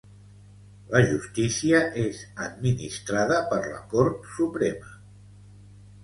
La Justícia és administrada per la Cort Suprema.